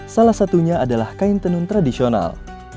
salah satunya adalah kain tenun tradisional